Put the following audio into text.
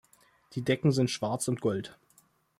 Die Decken sind Schwarz und Gold.